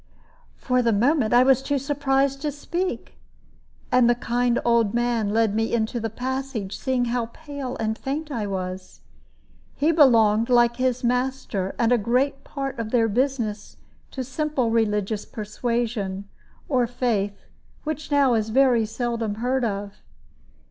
For the moment I was too surprised to speak, and the kind old man led me into the passage, seeing how pale and faint I was. He belonged, like his master, and a great part of their business, to a simple religious persuasion, or faith, which now is very seldom heard of.